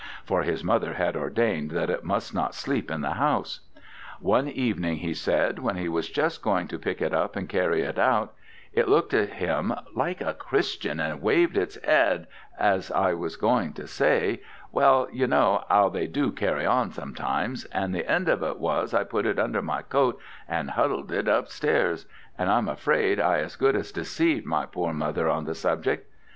(For his mother had ordained that it must not sleep in the house.) One evening, he said, when he was just going to pick it up and carry it out, it looked at him "like a Christian, and waved its 'and, I was going to say well, you know 'ow they do carry on sometimes, and the end of it was I put it under my coat, and 'uddled it upstairs and I'm afraid I as good as deceived my poor mother on the subject.